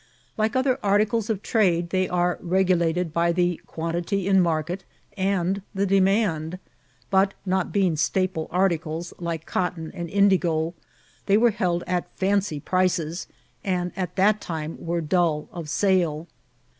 Like other articles of trade, they are regulated by the quantity in market, and the demand; but, not being staple articles, like cotton and indigo, they were held at fancy prices, and at that time were dull of sale.